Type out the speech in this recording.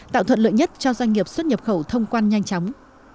tạo thuận lợi nhất cho doanh nghiệp xuất nhập khẩu thông quan nhanh chóng